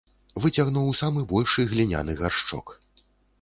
Выцягнуў самы большы гліняны гаршчок.